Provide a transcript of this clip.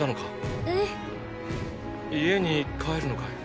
家に帰るのかい？